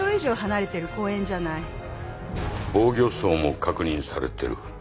防御創も確認されてる。